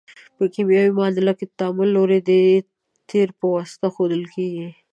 په کیمیاوي معادله کې د تعامل لوری د تیر په واسطه ښودل کیږي.